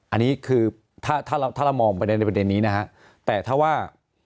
อันนี้คือถ้าถ้าเราถ้าเรามองประเด็นในประเด็นนี้นะฮะแต่ถ้าว่า